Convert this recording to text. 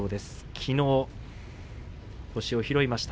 きのう星を拾いました。